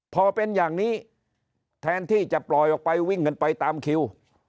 พอเป็นอย่างนี้แทนที่จะปล่อยออกไปวิ่งกันไปตามคิว